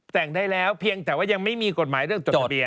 แต่งได้แล้วเพียงแต่ว่ายังไม่มีกฎหมายเรื่องจดทะเบียน